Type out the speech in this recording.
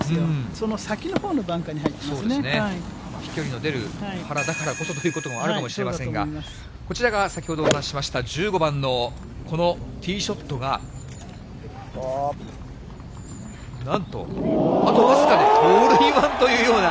その先のほうのバンカーに入って飛距離の出る原だからこそということもあるかもしれませんが、こちらが先ほどお話ししました、１５番のこのティーショットがなんと、あと僅かでホールインワンというような。